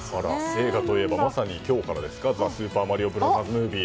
映画といえばまさに今日からですか「ザ・スーパーマリオブラザーズ・ムービー」。